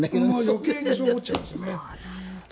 余計にそう思っちゃいますよね。